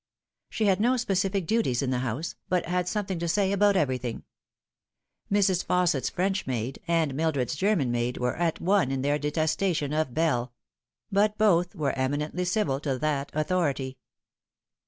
She had no specific duties in the house, but had something to Bay about evt rything. Mrs. Fausset's French maid and Mildred's German maid were at one in their detestation of Bell ; but both were eminently civil to that authority.